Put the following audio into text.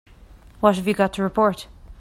What have you got to report?